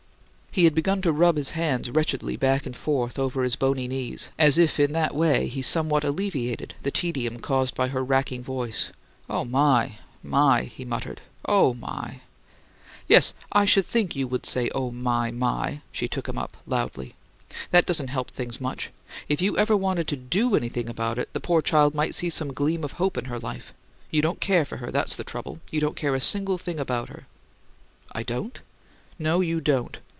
He had begun to rub his hands wretchedly back and forth over his bony knees, as if in that way he somewhat alleviated the tedium caused by her racking voice. "Oh, my, my!" he muttered. "OH, my, my!" "Yes, I should think you WOULD say 'Oh, my, my!'" she took him up, loudly. "That doesn't help things much! If you ever wanted to DO anything about it, the poor child might see some gleam of hope in her life. You don't CARE for her, that's the trouble; you don't care a single thing about her." "I don't?" "No; you don't.